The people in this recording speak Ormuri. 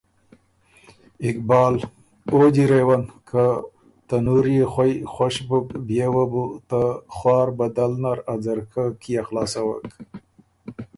اقبال: او جیرېون! که ته نُور يې خوئ خوش بُک، بيې وه بو ته خوار بدل نر ا ځرکۀ کيې خلاصوک؟